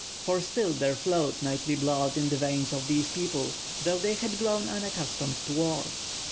For still there flowed knightly blood in the veins of these people, though they had grown unaccustomed to war.